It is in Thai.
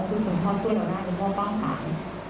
คุณพ่อช่วยเราได้คุณพ่อต้องขาย